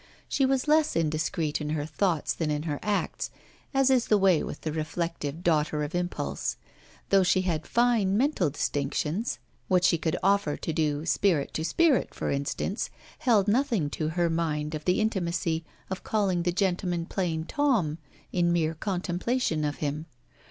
She was less indiscreet in her thoughts than in her acts, as is the way with the reflective daughter of impulse; though she had fine mental distinctions: what she could offer to do 'spirit to spirit,' for instance, held nothing to her mind of the intimacy of calling the gentleman plain Tom in mere contemplation of him.